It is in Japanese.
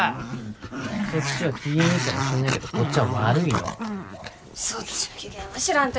そっちは機嫌いいかもしんないけどこっちは悪いのそっちの機嫌は知らんとよ